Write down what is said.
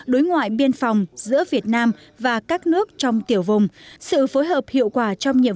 đối ngoại biên phòng giữa việt nam và các nước trong tiểu vùng sự phối hợp hiệu quả trong nhiệm